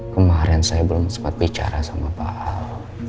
kemarin saya belum sempat bicara sama pak ahok